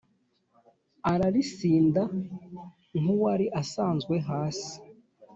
aralisinda nk’uwari asanswe hasi,